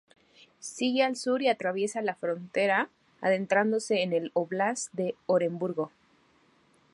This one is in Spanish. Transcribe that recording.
Sigue al sur y atraviesa la frontera adentrándose en el óblast de Oremburgo.